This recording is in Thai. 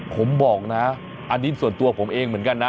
ผมบอกนะอันนี้ส่วนตัวผมเองเหมือนกันนะ